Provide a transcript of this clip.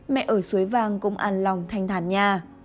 mẹ ở suối vàng cũng an lòng thanh thản nha